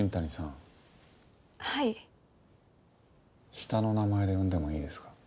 下の名前で呼んでもいいですか？